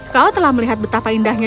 kau telah melihat betapa indahnya